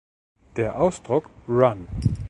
Der Ausdruck "Run!